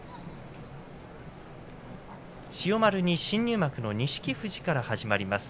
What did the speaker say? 千代丸に新入幕の錦富士から始まります。